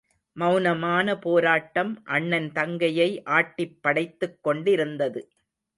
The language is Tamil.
மெளனமான போராட்டம் அண்ணன் தங்கையை ஆட்டிப் படைத்துக் கொண்டிருந்தது.